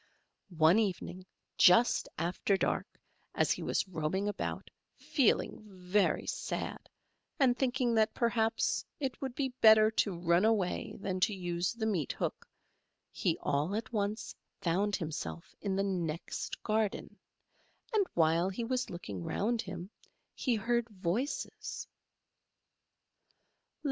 ] One evening, just after dark, as he was roaming about, feeling very sad, and thinking that, perhaps, it would be better to run away than to use the meat hook, he all at once found himself in the next garden, and while he was looking round him, he heard voices.